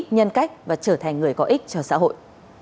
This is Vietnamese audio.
nhân cách và trở thành người có ích cho xã hội